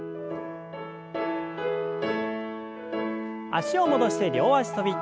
脚を戻して両脚跳び。